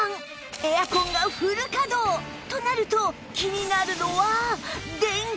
エアコンがフル稼働となると気になるのは電気代